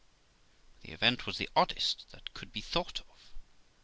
But the event was the oddest that could be thought of.